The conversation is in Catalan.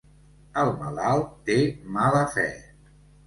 El malalt té mala fe.